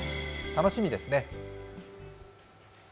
楽しみですね。